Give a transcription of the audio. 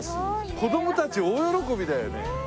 子供たち大喜びだよね。